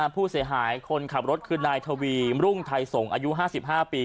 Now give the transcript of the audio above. ผู้เสียหายคนขับรถคือนายทวีรุ่งไทยส่งอายุ๕๕ปี